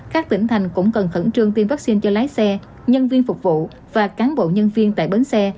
các tỉnh thành cũng cần khẩn trương tiêm vaccine cho lái xe nhân viên phục vụ và cán bộ nhân viên tại bến xe